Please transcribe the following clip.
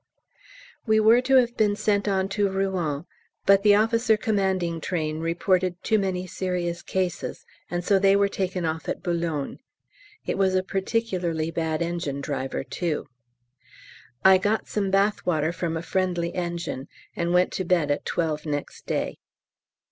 We were to have been sent on to Rouen, but the O.C. Train reported too many serious cases, and so they were taken off at B. It was a particularly bad engine driver too. I got some bath water from a friendly engine, and went to bed at 12 next day.